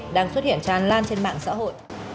đang xuất hiện tràn lan trên mạng xã hội